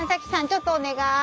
ちょっとお願い。